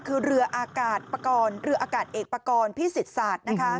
คือเรืออากาศปกรณ์เรืออากาศเอกปากรพิสิทศาสตร์นะคะ